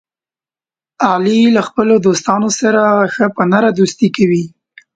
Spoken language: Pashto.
علي له خپلو دوستانو سره ښه په نره دوستي کوي.